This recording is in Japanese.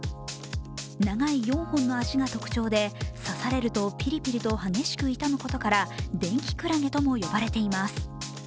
長い４本の足が特徴で刺されるとピリピリと激しく痛むことから、電気クラゲとも呼ばれています